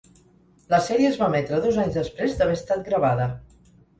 La sèrie es va emetre dos anys després d'haver estat gravada.